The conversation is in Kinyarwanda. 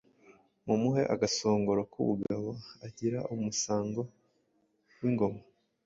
Mumuhe agasongoro k’ubugabo Agira umusango w’ingoma.